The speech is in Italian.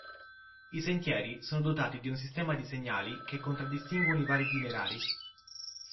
I sentieri sono dotati di un sistema di segnali che contraddistinguono i vari itinerari.